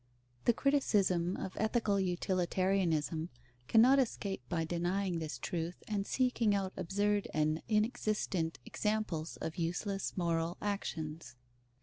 The criticism of ethical utilitarianism cannot escape by denying this truth and seeking out absurd and inexistent examples of useless moral actions.